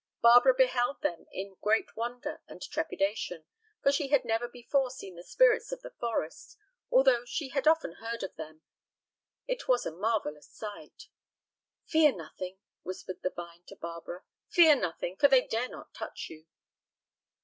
Barbara beheld them all in great wonder and trepidation, for she had never before seen the spirits of the forest, although she had often heard of them. It was a marvellous sight. "Fear nothing," whispered the vine to Barbara, "fear nothing, for they dare not touch you."